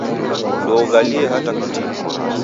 Ndoughalukie hata kutini.